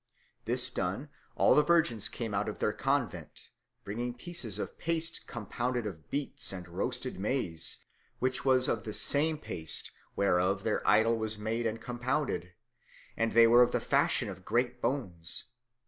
This done, all the virgins came out of their convent, bringing pieces of paste compounded of beets and roasted maize, which was of the same paste whereof their idol was made and compounded, and they were of the fashion of great bones.